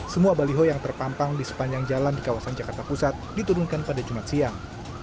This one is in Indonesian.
semua baliho yang terpampang di sepanjang jalan di kawasan jakarta pusat diturunkan pada jumat siang